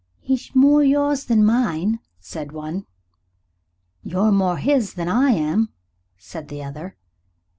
"He's more yours than mine," said one. "You're more his than I am," said the other.